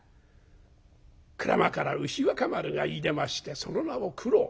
『鞍馬から牛若丸がいでましてその名を九郎』。